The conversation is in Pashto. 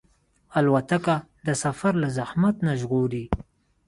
الوتکه د سفر له زحمت نه ژغوري.